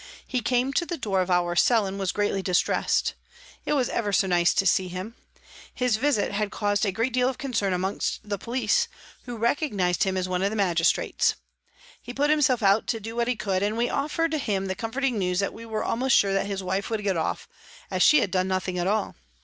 He came to the door of our cell and was greatly distressed. It was ever so nice to see him. His visit had caused a great deal of concern amongst the police, who recognised him as one of the magis trates. He put himself out to do what he could, and we offered him the comforting news that we were almost sure that his wife would get off, as she had done nothing at all.